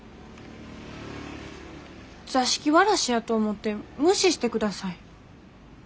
座敷わらしやと思って無視してください。